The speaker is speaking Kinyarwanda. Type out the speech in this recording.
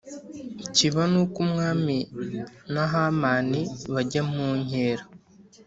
kiba Nuko umwami na Hamani bajya mu nkera